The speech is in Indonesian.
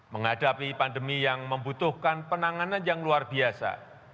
menghadapi pandemi yang membutuhkan penanganan yang luar biasa